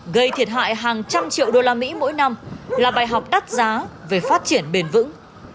gây thiệt hại hàng trăm triệu đô la mỹ mỗi năm là bài học đắt giá về phát triển bền vững